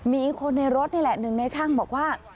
มีคนในรถนี่แหละหนึ่งในช่างบอกว่า